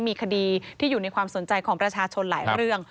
มีคดีที่อยู่ในความสนใจของประชาชนหลายเรื่อง